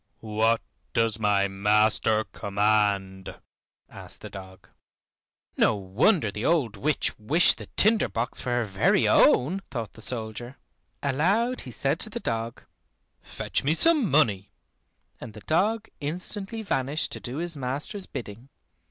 "What does my master command?" asked the dog. "No wonder the old witch wished the tinder box for her very own," thought the soldier. Aloud he said to the dog, "Fetch me some money," and the dog instantly vanished to do his master's bidding.